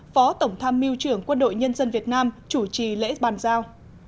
phó tổng tham mưu trưởng quân đội nhân dân việt nam chủ trì lễ bàn giao